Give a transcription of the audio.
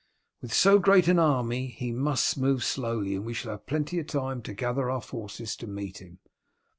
With so great an army he must move slowly and we shall have plenty of time to gather our forces to meet him.